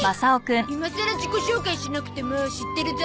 今さら自己紹介しなくても知ってるゾ。